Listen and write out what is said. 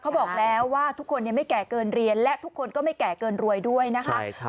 เขาบอกแล้วว่าทุกคนไม่แก่เกินเรียนและทุกคนก็ไม่แก่เกินรวยด้วยนะคะ